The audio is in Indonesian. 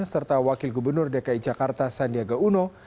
serta wakil gubernur dki jakarta sandiaga uno